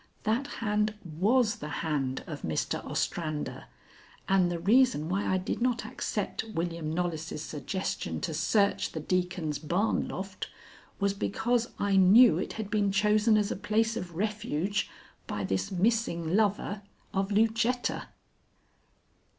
That hand was the hand of Mr. Ostrander; and the reason why I did not accept William Knollys' suggestion to search the Deacon's barn loft was because I knew it had been chosen as a place of refuge by this missing lover of Lucetta."